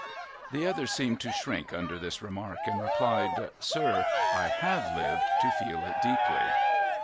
The other seemed to shrink under this remark, and replied, ' Sir, I have lived to feel it deeply.'